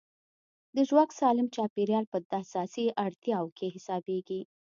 د ژواک سالم چاپېریال په اساسي اړتیاوو کې حسابېږي.